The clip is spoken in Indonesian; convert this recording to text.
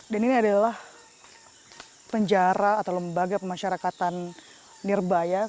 dan ini adalah penjara atau lembaga pemasyarakatan ngerbaya